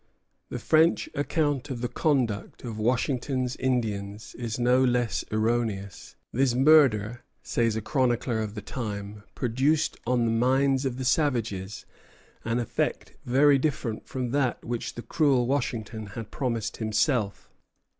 The French account of the conduct of Washington's Indians is no less erroneous. "This murder," says a chronicler of the time, "produced on the minds of the savages an effect very different from that which the cruel Washington had promised himself.